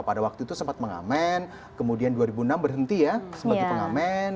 pada waktu itu sempat mengamen kemudian dua ribu enam berhenti ya sebagai pengamen